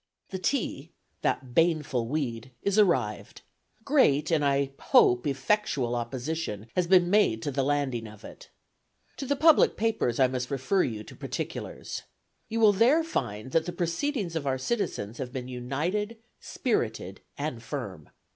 "The tea, that baneful weed, is arrived. Great and, I hope, effectual opposition has been made to the landing of it. To the public papers I must refer you for particulars. You will there find that the proceedings of our citizens have been united, spirited and firm.